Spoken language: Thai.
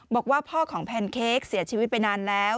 บอกว่าพ่อของแพนเค้กเสียชีวิตไปนานแล้ว